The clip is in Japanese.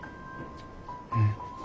うん。